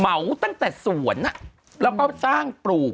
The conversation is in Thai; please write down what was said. เหมาตั้งแต่สวนแล้วก็สร้างปลูก